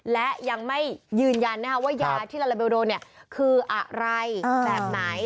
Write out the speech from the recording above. และยังไม่ยืนยันว่ายาที่ลาลาเบลโดนคืออะไรแบบไหน